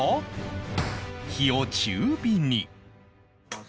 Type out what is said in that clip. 火を中火に